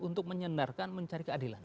untuk menyendarkan mencari keadilan